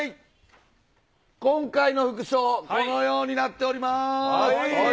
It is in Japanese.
今回の副賞、このようになっております。